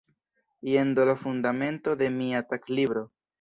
Jen do la fundamento de mia taglibro“.